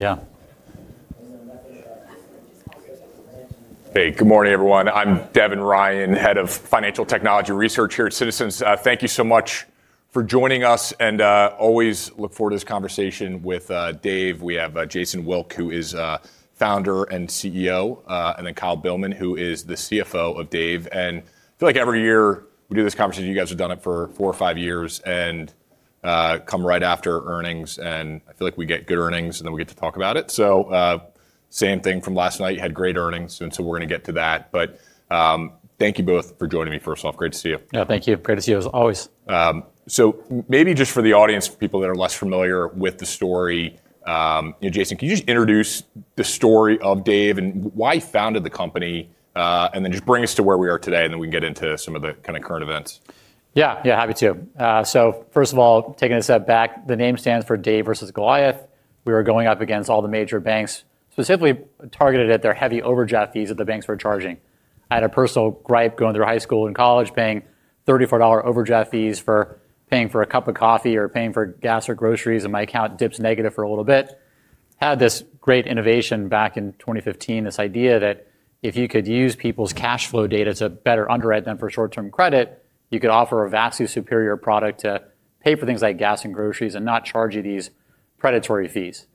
Yeah. Hey, good morning, everyone. I'm Devin Ryan, Head of Financial Technology Research here at Citizens. Thank you so much for joining us, always look forward to this conversation with Dave. We have Jason Wilk, who is Founder and CEO, then Kyle Beilman, who is the CFO of Dave. I feel like every year we do this conversation, you guys have done it for four or five years, come right after earnings, and I feel like we get good earnings, then we get to talk about it. Same thing from last night, you had great earnings, we're gonna get to that. Thank you both for joining me, first off. Great to see you. Yeah, thank you. Great to see you as always. Maybe just for the audience, people that are less familiar with the story, you know, Jason, could you just introduce the story of Dave and why you founded the company, and then just bring us to where we are today, and then we can get into some of the kind of current events. Yeah. Yeah, happy to. First of all, taking a step back, the name stands for Dave versus Goliath. We were going up against all the major banks, specifically targeted at their heavy overdraft fees that the banks were charging. I had a personal gripe going through high school and college, paying $34 overdraft fees for paying for a cup of coffee or paying for gas or groceries, and my account dips negative for a little bit. Had this great innovation back in 2015, this idea that if you could use people's cash flow data to better underwrite them for short-term credit, you could offer a vastly superior product to pay for things like gas and groceries and not charge you these predatory fees.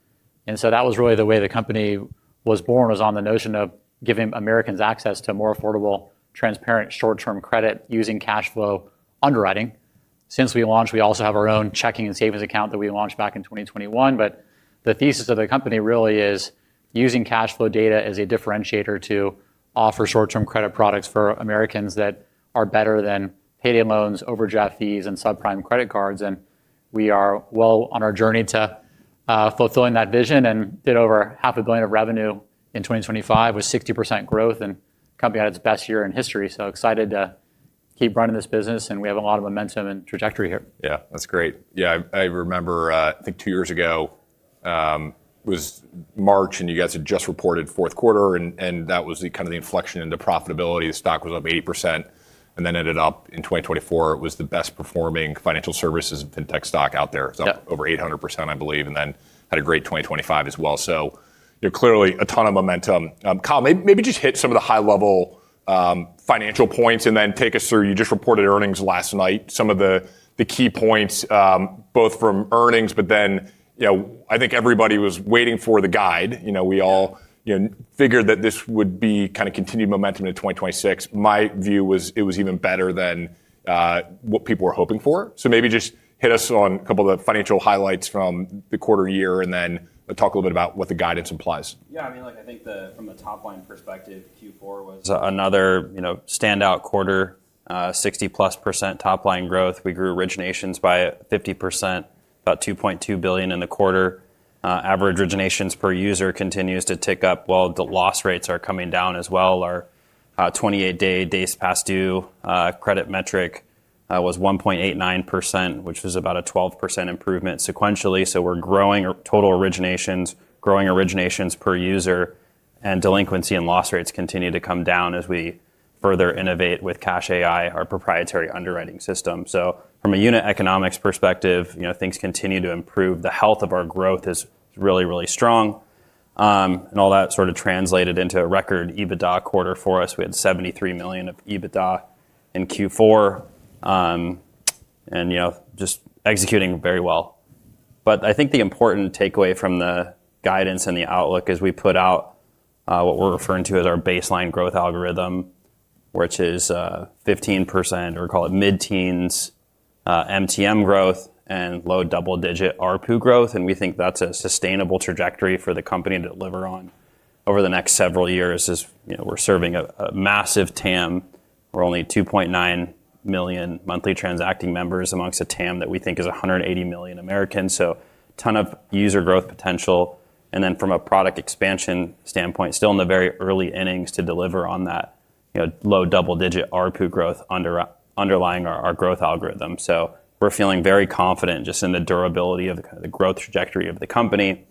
That was really the way the company was born, was on the notion of giving Americans access to more affordable, transparent, short-term credit using cash flow underwriting. Since we launched, we also have our own checking and savings account that we launched back in 2021, the thesis of the company really is using cash flow data as a differentiator to offer short-term credit products for Americans that are better than payday loans, overdraft fees, and subprime credit cards. We are well on our journey to fulfilling that vision and did over half a billion of revenue in 2025, with 60% growth and company had its best year in history. Excited to keep running this business, and we have a lot of momentum and trajectory here. Yeah, that's great. Yeah, I remember, I think two years ago, was March. You guys had just reported fourth quarter. That was the kinda the inflection into profitability. The stock was up 80% and then ended up in 2024. It was the best performing financial services fintech stock out there. Yep. Over 800%, I believe, and then had a great 2025 as well. You're clearly a ton of momentum. Kyle, maybe just hit some of the high level financial points and then take us through. You just reported earnings last night. Some of the key points both from earnings, but then, you know, I think everybody was waiting for the guide. You know, we all, you know, figured that this would be kinda continued momentum into 2026. My view was it was even better than what people were hoping for. Maybe just hit us on a couple of the financial highlights from the quarter year, and then talk a little bit about what the guidance implies. Yeah, I mean, like, I think from a top-line perspective, Q4 was another, you know, standout quarter, 60%+ top-line growth. We grew originations by 50%, about $2.2 billion in the quarter. Average originations per user continues to tick up while the loss rates are coming down as well. Our 28-day days past due credit metric was 1.89%, which is about a 12% improvement sequentially. We're growing our total originations, growing originations per user, and delinquency and loss rates continue to come down as we further innovate with CashAI, our proprietary underwriting system. From a unit economics perspective, you know, things continue to improve. The health of our growth is really, really strong. All that sort of translated into a record EBITDA quarter for us. We had $73 million of EBITDA in Q4, you know, just executing very well. I think the important takeaway from the guidance and the outlook is we put out what we're referring to as our baseline growth algorithm, which is 15%, or call it mid-teens, MTM growth and low double-digit ARPU growth. We think that's a sustainable trajectory for the company to deliver on over the next several years as, you know, we're serving a massive TAM. We're only 2.9 million Monthly Transacting Members amongst the TAM that we think is 180 million Americans. Ton of user growth potential. From a product expansion standpoint, still in the very early innings to deliver on that, you know, low double-digit ARPU growth underlying our growth algorithm. We're feeling very confident just in the durability of the growth trajectory of the company.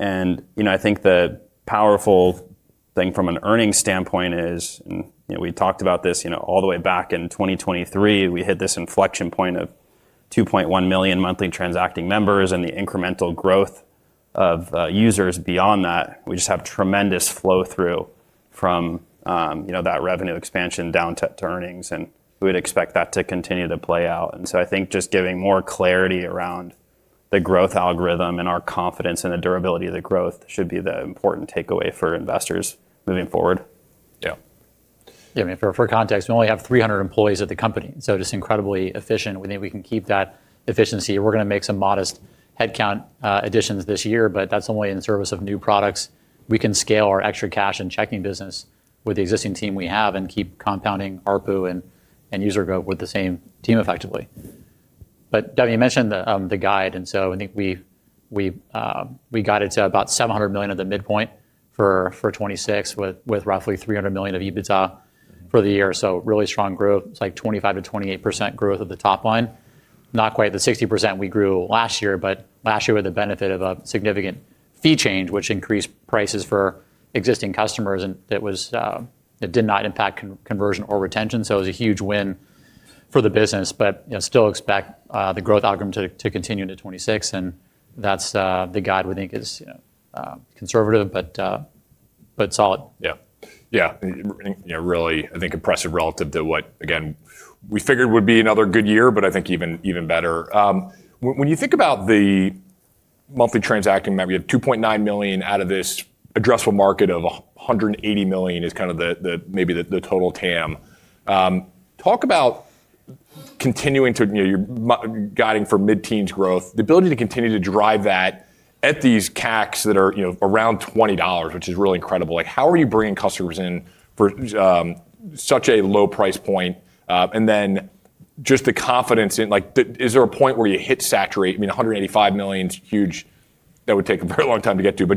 You know, I think the powerful thing from an earnings standpoint is, and, you know, we talked about this, you know, all the way back in 2023. We hit this inflection point of 2.1 million Monthly Transacting Members and the incremental growth of users beyond that. We just have tremendous flow-through from, you know, that revenue expansion down to earnings, and we'd expect that to continue to play out. I think just giving more clarity around the growth algorithm and our confidence in the durability of the growth should be the important takeaway for investors moving forward. Yeah. I mean, for context, we only have 300 employees at the company, just incredibly efficient. We think we can keep that efficiency. We're gonna make some modest headcount additions this year, but that's only in service of new products. We can scale our ExtraCash and checking business with the existing team we have and keep compounding ARPU and user growth with the same team effectively. Devin, you mentioned the guide, and so I think we guided to about $700 million at the midpoint for 2026 with roughly $300 million of EBITDA for the year. Really strong growth. It's like 25%-28% growth at the top line. Not quite the 60% we grew last year, but last year with the benefit of a significant fee change, which increased prices for existing customers, it did not impact conversion or retention. It was a huge win for the business, but, you know, still expect the growth algorithm to continue into 2026. That's the guide we think is, you know, conservative, but solid. Yeah. really, I think impressive relative to what, again, we figured would be another good year. I think even better. When you think about the monthly transacting, I mean, we have 2.9 million out of this addressable market of 180 million is kind of the total TAM. Talk about continuing to, you know, guiding for mid-teens growth, the ability to continue to drive that at these CACs that are, you know, around $20, which is really incredible. Like, how are you bringing customers in for such a low price point? Just the confidence in, is there a point where you hit saturate? I mean, $185 million is huge. That would take a very long time to get to.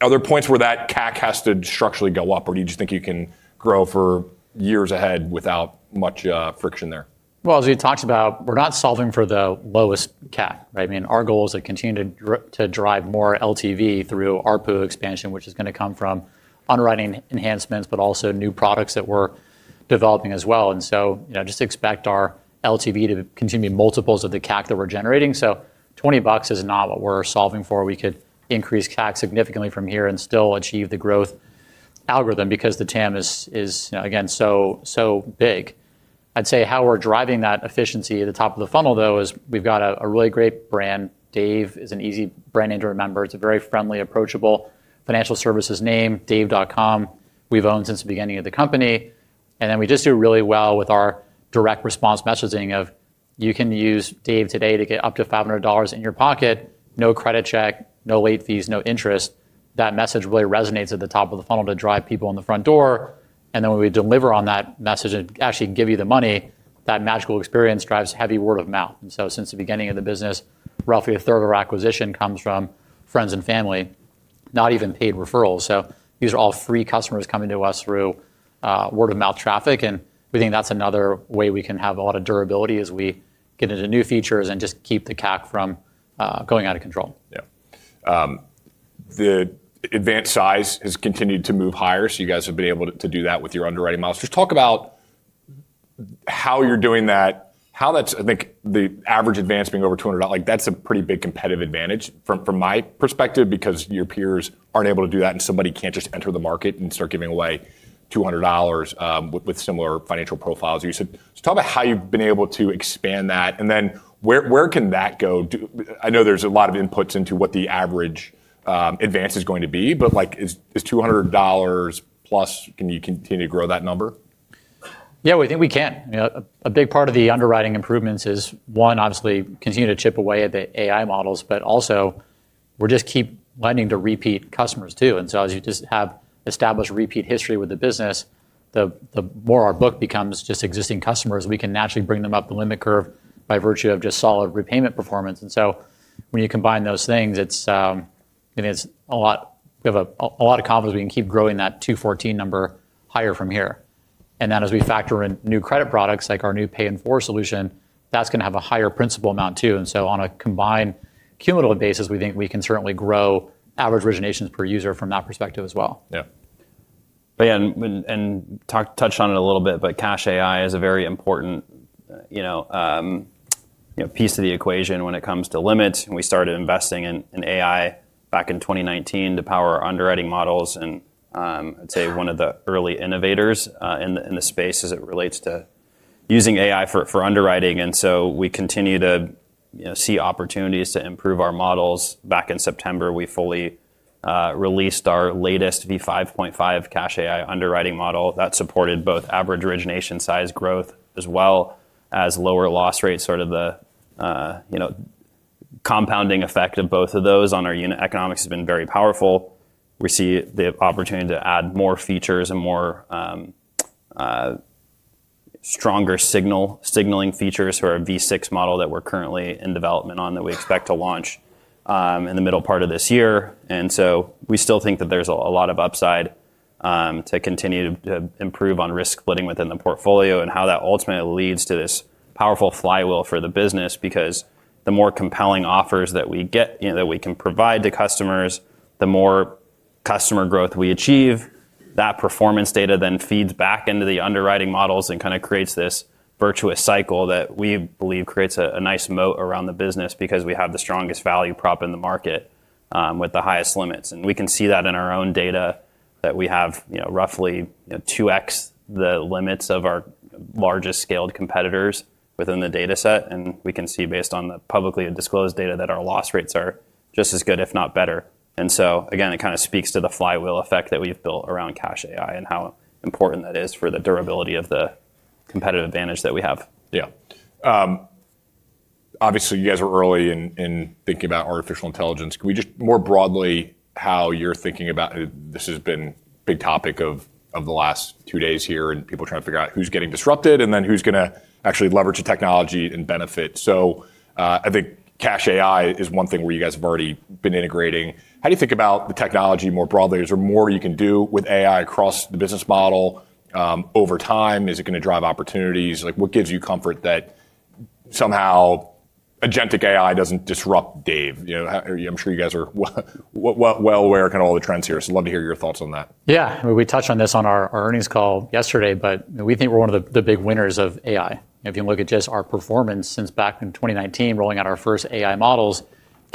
Are there points where that CAC has to structurally go up, or do you just think you can grow for years ahead without much friction there? As we had talked about, we're not solving for the lowest CAC, right? I mean, our goal is to continue to drive more LTV through ARPU expansion, which is gonna come from underwriting enhancements, but also new products that we're developing as well. You know, just expect our LTV to continue multiples of the CAC that we're generating. $20 is not what we're solving for. We could increase CAC significantly from here and still achieve the growth algorithm because the TAM is, you know, again, so big. I'd say how we're driving that efficiency at the top of the funnel, though, is we've got a really great brand. Dave is an easy brand name to remember. It's a very friendly, approachable financial services name, dave.com, we've owned since the beginning of the company. We just do really well with our direct response messaging of, "You can use Dave today to get up to $500 in your pocket, no credit check, no late fees, no interest." That message really resonates at the top of the funnel to drive people in the front door. When we deliver on that message and actually give you the money, that magical experience drives heavy word of mouth. Since the beginning of the business, roughly a third of our acquisition comes from friends and family, not even paid referrals. These are all free customers coming to us through word of mouth traffic, and we think that's another way we can have a lot of durability as we get into new features and just keep the CAC from, going out of control. Yeah. The advanced size has continued to move higher, so you guys have been able to do that with your underwriting models. Just talk about how you're doing that, I think the average advance being over $200, like, that's a pretty big competitive advantage from my perspective, because your peers aren't able to do that, and somebody can't just enter the market and start giving away $200 with similar financial profiles. Talk about how you've been able to expand that, and then where can that go? I know there's a lot of inputs into what the average advance is going to be, but like, is $200 plus, can you continue to grow that number? Yeah, we think we can. You know, a big part of the underwriting improvements is, one, obviously continue to chip away at the AI models, but also we just keep lending to repeat customers too. As you just have established repeat history with the business, the more our book becomes just existing customers, we can naturally bring them up the limit curve by virtue of just solid repayment performance. When you combine those things, it's, I mean, it's a lot. We have a lot of confidence we can keep growing that 214 number higher from here. As we factor in new credit products like our new pay in 4 solution, that's gonna have a higher principal amount too. On a combined cumulative basis, we think we can certainly grow average originations per user from that perspective as well. Yeah. Yeah, touched on it a little bit, but CashAI is a very important, you know, piece of the equation when it comes to limits. We started investing in AI back in 2019 to power our underwriting models. I'd say one of the early innovators in the space as it relates to using AI for underwriting. We continue to, you know, see opportunities to improve our models. Back in September, we fully released our latest v5.5 CashAI underwriting model that supported both average origination size growth as well as lower loss rates, sort of the, you know, compounding effect of both of those on our unit economics has been very powerful. We see the opportunity to add more features and more stronger signaling features for our v6 model that we're currently in development on that we expect to launch in the middle part of this year. We still think that there's a lot of upside to continue to improve on risk splitting within the portfolio and how that ultimately leads to this powerful flywheel for the business, because the more compelling offers that we get, you know, that we can provide to customers, the more customer growth we achieve. That performance data then feeds back into the underwriting models and kinda creates this virtuous cycle that we believe creates a nice moat around the business because we have the strongest value prop in the market with the highest limits. We can see that in our own data that we have, you know, roughly 2x the limits of our largest scaled competitors within the data set. We can see based on the publicly disclosed data that our loss rates are just as good, if not better. Again, it kinda speaks to the flywheel effect that we've built around CashAI and how important that is for the durability of the competitive advantage that we have. Yeah. obviously, you guys are early in thinking about artificial intelligence. This has been a big topic of the last two days here and people trying to figure out who's getting disrupted and then who's gonna actually leverage the technology and benefit. I think CashAI is one thing where you guys have already been integrating. How do you think about the technology more broadly? Is there more you can do with AI across the business model, over time? Is it gonna drive opportunities? Like, what gives you comfort that somehow agentic AI doesn't disrupt Dave. You know, I'm sure you guys are well aware of kinda all the trends here, so love to hear your thoughts on that. Yeah. I mean, we touched on this on our earnings call yesterday. We think we're one of the big winners of AI. You look at just our performance since back in 2019, rolling out our first AI models,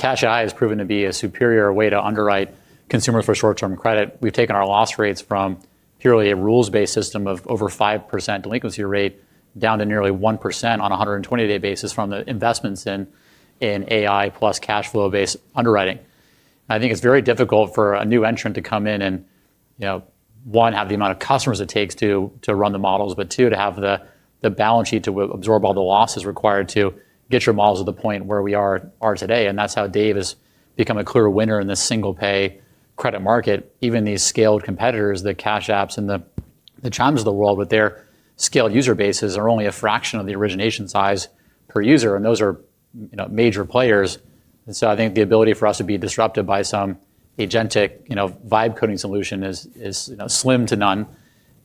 CashAI has proven to be a superior way to underwrite consumers for short-term credit. We've taken our loss rates from purely a rules-based system of over 5% delinquency rate down to nearly 1% on a 120-day basis from the investments in AI plus cash flow-based underwriting. I think it's very difficult for a new entrant to come in and, you know, one, have the amount of customers it takes to run the models, but two, to have the balance sheet to absorb all the losses required to get your models to the point where we are today, and that's how Dave has become a clear winner in this single pay credit market. Even these scaled competitors, the Cash App and the Chimes of the world with their scaled user bases are only a fraction of the origination size per user, and those are, you know, major players. I think the ability for us to be disrupted by some agentic, you know, vibe coding solution is, you know, slim to none.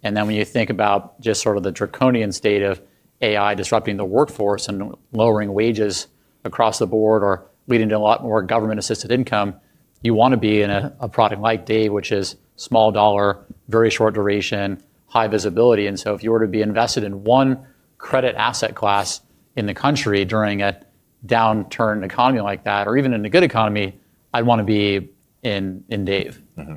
When you think about just sort of the draconian state of AI disrupting the workforce and lowering wages across the board or leading to a lot more government-assisted income, you wanna be in a product like Dave, which is small dollar, very short duration, high visibility. If you were to be invested in one credit asset class in the country during a downturn in the economy like that, or even in a good economy, I'd wanna be in Dave. Mm-hmm.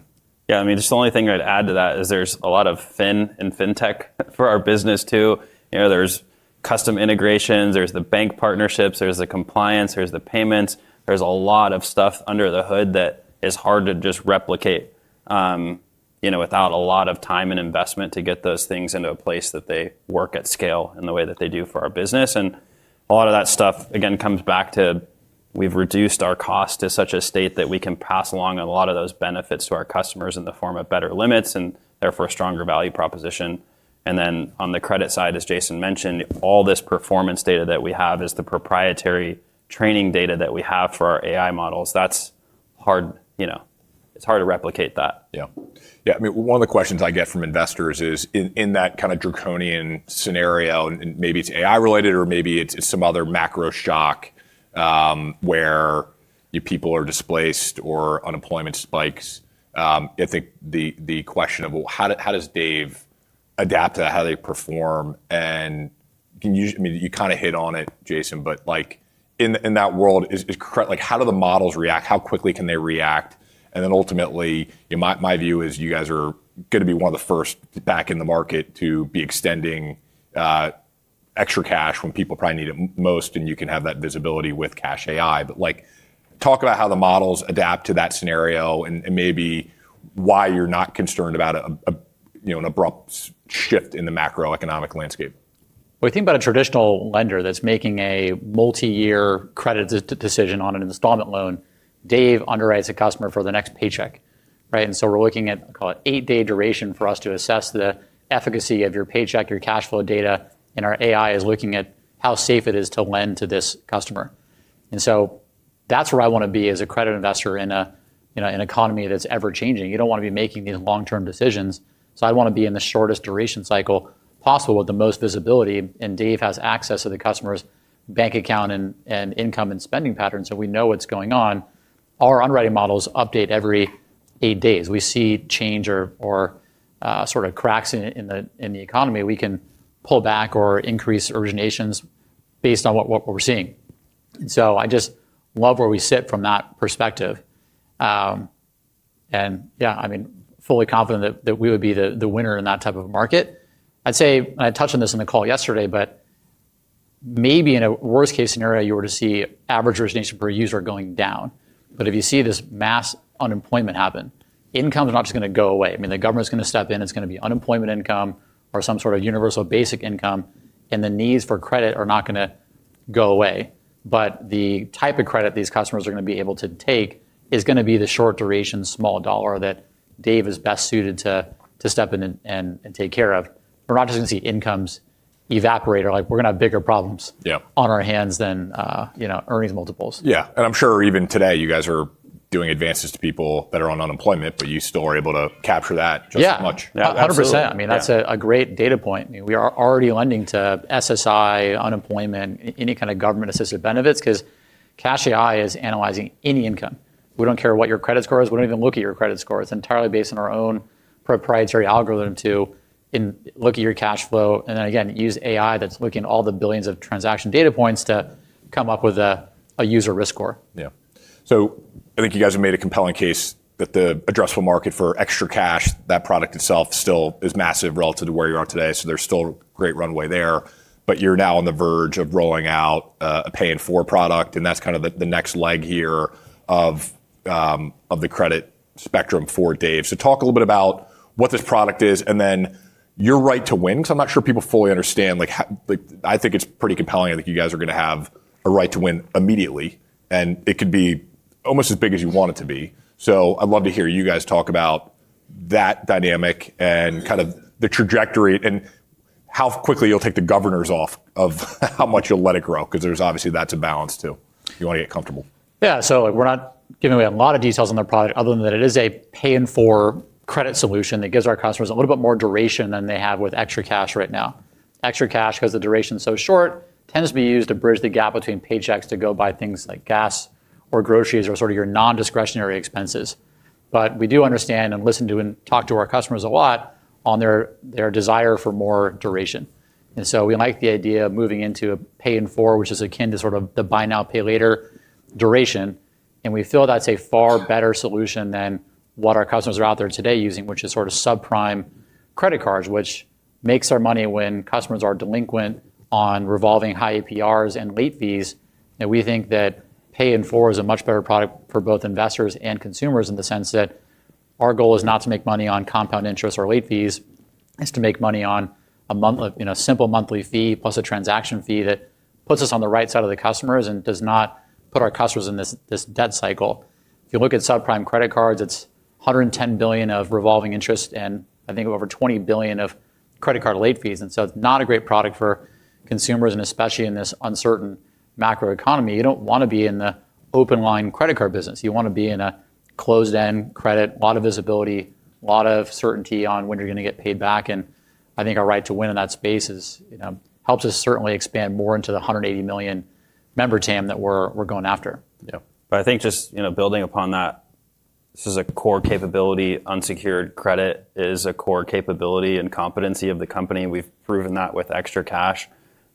Yeah, I mean, just the only thing I'd add to that is there's a lot of fin in fintech for our business too. You know, there's custom integrations, there's the bank partnerships, there's the compliance, there's the payments. There's a lot of stuff under the hood that is hard to just replicate, you know, without a lot of time and investment to get those things into a place that they work at scale in the way that they do for our business. A lot of that stuff, again, comes back to we've reduced our cost to such a state that we can pass along a lot of those benefits to our customers in the form of better limits and therefore a stronger value proposition. On the credit side, as Jason mentioned, all this performance data that we have is the proprietary training data that we have for our AI models. That's hard, you know, it's hard to replicate that. Yeah. I mean, one of the questions I get from investors is in that kind of draconian scenario, and maybe it's AI related or maybe it's some other macro shock, where your people are displaced or unemployment spikes, I think the question of how does Dave adapt to how they perform? I mean, you kind of hit on it, Jason, but like in that world, how do the models react? How quickly can they react? Then ultimately, my view is you guys are gonna be one of the first back in the market to be extending ExtraCash when people probably need it most, and you can have that visibility with CashAI. Like, talk about how the models adapt to that scenario and maybe why you're not concerned about a, you know, an abrupt shift in the macroeconomic landscape. When you think about a traditional lender that's making a multi-year credit decision on an installment loan, Dave underwrites a customer for the next paycheck, right? We're looking at, call it eight-day duration for us to assess the efficacy of your paycheck, your cash flow data, and our AI is looking at how safe it is to lend to this customer. That's where I wanna be as a credit investor in a, you know, an economy that's ever-changing. You don't wanna be making these long-term decisions. I wanna be in the shortest duration cycle possible with the most visibility, and Dave has access to the customer's bank account and income and spending patterns, so we know what's going on. Our underwriting models update every eight days. We see change or sort of cracks in the economy, we can pull back or increase originations based on what we're seeing. I just love where we sit from that perspective. Yeah, I mean, fully confident that we would be the winner in that type of a market. I'd say, and I touched on this in the call yesterday, but maybe in a worst case scenario, you were to see average origination per user going down. If you see this mass unemployment happen, incomes are not just gonna go away. I mean, the government's gonna step in, it's gonna be unemployment income or some sort of universal basic income, and the needs for credit are not gonna go away. The type of credit these customers are gonna be able to take is gonna be the short duration, small dollar that Dave is best suited to step in and take care of. We're not just gonna see incomes evaporate or we're gonna have bigger problems on our hands than, you know, earnings multiples. Yeah. I'm sure even today, you guys are doing advances to people that are on unemployment, but you still are able to capture that just as much. Yeah. Yeah, absolutely. 100%. I mean, that's a great data point. I mean, we are already lending to SSI, unemployment, any kind of government-assisted benefits 'cause CashAI is analyzing any income. We don't care what your credit score is. We don't even look at your credit score. It's entirely based on our own proprietary algorithm to look at your cash flow, and then again, use AI that's looking at all the billions of transaction data points to come up with a user risk score. Yeah. I think you guys have made a compelling case that the addressable market for ExtraCash, that product itself still is massive relative to where you are today, so there's still great runway there. You're now on the verge of rolling out a pay in 4 product, and that's kind of the next leg here of the credit spectrum for Dave. Talk a little bit about what this product is and then your right to win, because I'm not sure people fully understand, like I think it's pretty compelling that you guys are going to have a right to win immediately, and it could be almost as big as you want it to be. I'd love to hear you guys talk about that dynamic and kind of the trajectory and how quickly you'll take the governors off of how much you'll let it grow, 'cause there's obviously that's a balance too. You wanna get comfortable. Like we're not giving away a lot of details on the product other than that it is a pay in 4 credit solution that gives our customers a little bit more duration than they have with ExtraCash right now. ExtraCash, 'cause the duration's so short, tends to be used to bridge the gap between paychecks to go buy things like gas or groceries or sort of your non-discretionary expenses. We do understand and listen to and talk to our customers a lot on their desire for more duration. We like the idea of moving into pay in 4, which is akin to sort of the buy now, pay later duration, and we feel that's a far better solution than what our customers are out there today using, which is sort of subprime credit cards, which makes our money when customers are delinquent on revolving high APRs and late fees. We think that pay in 4 is a much better product for both investors and consumers in the sense that our goal is not to make money on compound interest or late fees, it's to make money on a you know, simple monthly fee plus a transaction fee that puts us on the right side of the customers and does not put our customers in this debt cycle. If you look at subprime credit cards, it's $110 billion of revolving interest and I think over $20 billion of credit card late fees. It's not a great product for consumers, and especially in this uncertain macro economy, you don't wanna be in the open line credit card business. You wanna be in a closed-end credit, a lot of visibility, a lot of certainty on when you're gonna get paid back. I think our right to win in that space is, you know, helps us certainly expand more into the $180 million member TAM that we're going after. Yeah. I think just, you know, building upon that, this is a core capability, unsecured credit is a core capability and competency of the company. We've proven that with ExtraCash,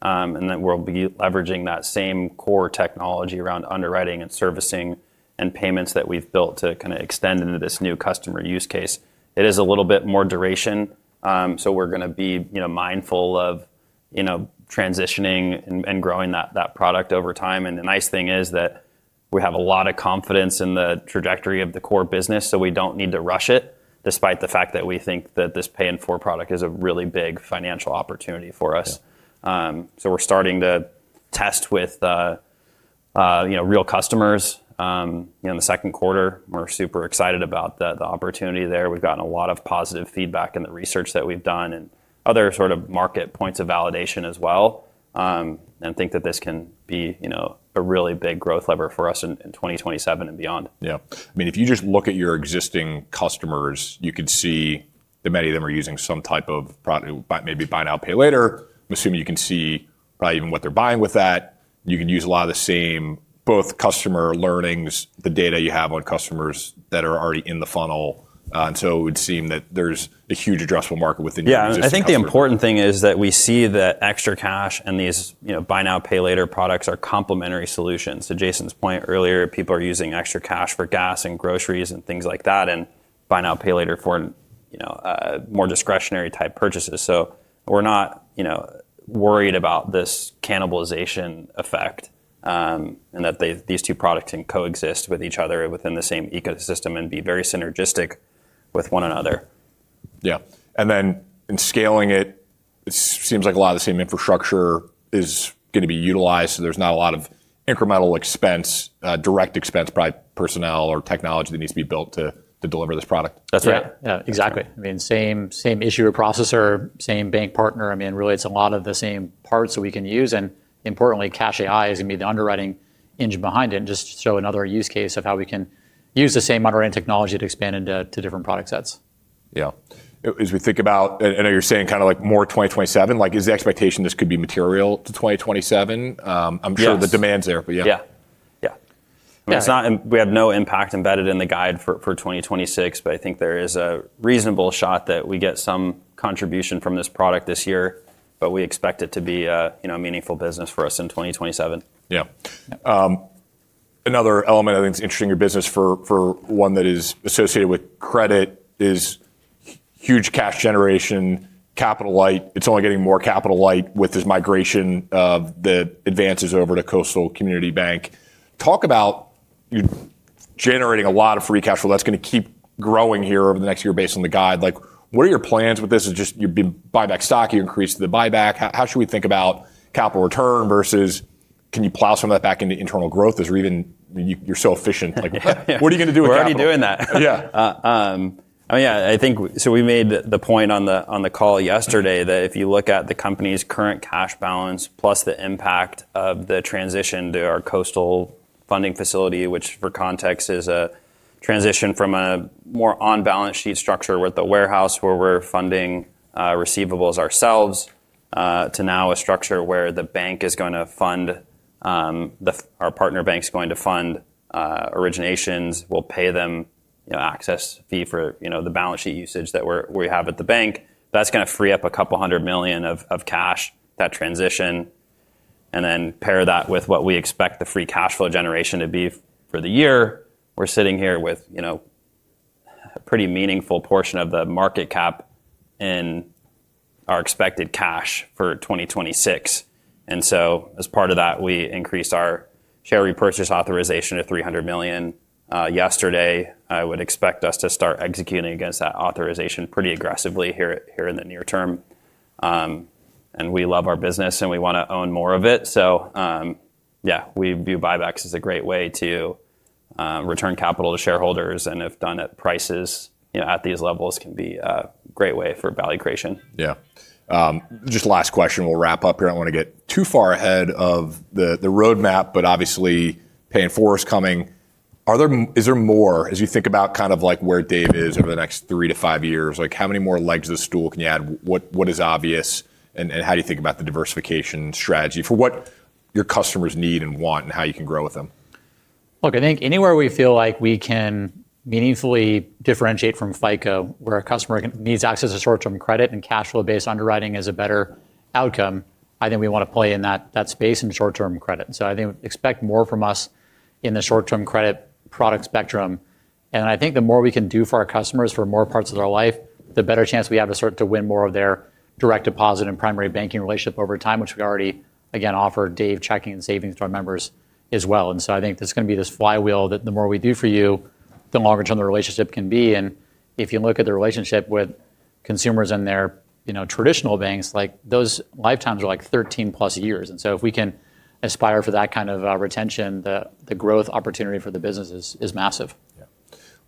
and that we'll be leveraging that same core technology around underwriting and servicing and payments that we've built to kinda extend into this new customer use case. It is a little bit more duration, we're gonna be, you know, mindful of, you know, transitioning and growing that product over time. The nice thing is that we have a lot of confidence in the trajectory of the core business, we don't need to rush it, despite the fact that we think that this pay in 4 product is a really big financial opportunity for us. We're starting to test with, you know, real customers in the second quarter. We're super excited about the opportunity there. We've gotten a lot of positive feedback in the research that we've done and other sort of market points of validation as well, and think that this can be, you know, a really big growth lever for us in 2027 and beyond. I mean, if you just look at your existing customers, you could see that many of them are using some type of product, maybe buy now, pay later. I'm assuming you can see probably even what they're buying with that. You can use a lot of the same both customer learnings, the data you have on customers that are already in the funnel. It would seem that there's a huge addressable market within your existing customers. I think the important thing is that we see that ExtraCash and these, you know, buy now, pay later products are complementary solutions. To Jason's point earlier, people are using ExtraCash for gas and groceries and things like that, and buy now, pay later for, you know, more discretionary type purchases. We're not, you know, worried about this cannibalization effect, and that these two products can coexist with each other within the same ecosystem and be very synergistic with one another. Yeah. In scaling it seems like a lot of the same infrastructure is gonna be utilized. There's not a lot of incremental expense, direct expense, probably personnel or technology that needs to be built to deliver this product. That's right. Yeah. Exactly. I mean, same issuer processor, same bank partner. I mean, really, it's a lot of the same parts that we can use. Importantly, CashAI is gonna be the underwriting engine behind it and just show another use case of how we can use the same underwriting technology to expand into, to different product sets. Yeah. As we think about, I know you're saying kinda like more 2027, like is the expectation this could be material to 2027? Yes. I'm sure the demand's there, but yeah. Yeah. Yeah. Yeah. We have no impact embedded in the guide for 2026. I think there is a reasonable shot that we get some contribution from this product this year. We expect it to be a, you know, meaningful business for us in 2027. Yeah. another element I think is interesting your business for one that is associated with credit is huge cash generation, capital light. It's only getting more capital light with this migration of the advances over to Coastal Community Bank. Talk about you generating a lot of free cash flow that's gonna keep growing here over the next year based on the guide. Like, what are your plans with this? Is it just you buy back stock, you increase the buyback? How should we think about capital return versus can you plow some of that back into internal growth? You're so efficient, like, what are you gonna do with that? We're already doing that. Yeah. I mean, yeah, I think We made the point on the call yesterday that if you look at the company's current cash balance plus the impact of the transition to our Coastal funding facility, which for context is a transition from a more on balance sheet structure with the warehouse where we're funding receivables ourselves to now a structure where the bank is gonna fund our partner bank's going to fund originations. We'll pay them, you know, access fee for, you know, the balance sheet usage that we have at the bank. That's gonna free up $200 million of cash, that transition, and then pair that with what we expect the free cash flow generation to be for the year. We're sitting here with a pretty meaningful portion of the market cap in our expected cash for 2026. As part of that, we increased our share repurchase authorization to $300 million yesterday. I would expect us to start executing against that authorization pretty aggressively here in the near term. We love our business, and we wanna own more of it. Yeah, we view buybacks as a great way to return capital to shareholders, and if done at prices at these levels can be a great way for value creation. Yeah. Just last question. We'll wrap up here. I don't wanna get too far ahead of the roadmap, but obviously pay in 4 is coming. Is there more as you think about kind of like where Dave is over the next three to five years? Like, how many more legs of the stool can you add? What is obvious, and how do you think about the diversification strategy for what your customers need and want and how you can grow with them? Look, I think anywhere we feel like we can meaningfully differentiate from FICO, where a customer needs access to short-term credit and cash flow-based underwriting is a better outcome, I think we wanna play in that space in short-term credit. I think expect more from us in the short-term credit product spectrum. I think the more we can do for our customers for more parts of their life, the better chance we have to start to win more of their direct deposit and primary banking relationship over time, which we already again offer Dave Checking and savings to our members as well. I think there's gonna be this flywheel that the more we do for you, the longer term the relationship can be. If you look at the relationship with consumers and their, you know, traditional banks, like, those lifetimes are like 13+ years. If we can aspire for that kind of retention, the growth opportunity for the business is massive. Yeah.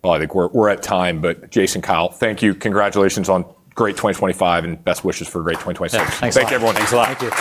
Well, I think we're at time. Jason, Kyle, thank you. Congratulations on great 2025, best wishes for a great 2026. Thanks a lot. Thank you, everyone. Thanks a lot. Thank you.